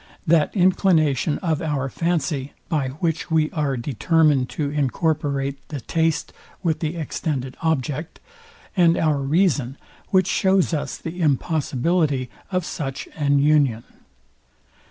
that inclination of our fancy by which we are determined to incorporate the taste with the extended object, and our reason, which shows us the impossibility of such an union.